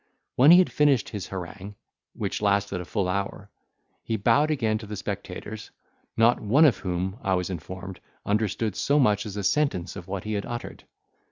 When he had finished his harangue, which lasted a full hour, he bowed again to the spectators; not one of whom (I was informed) understood so much as a sentence of what he had uttered.